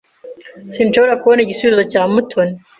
Sinshobora kubona igisubizo cya Mutoni.